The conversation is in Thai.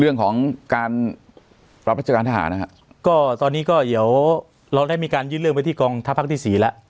เรื่องของการรับราชการทหารนะฮะก็ตอนนี้ก็เดี๋ยวเราได้มีการยื่นเรื่องไปที่กองทัพภาคที่สี่แล้ว